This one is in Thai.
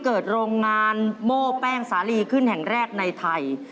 เกิดโรงงานโม่แป้งสาลีขึ้นแห่งแรกในไทย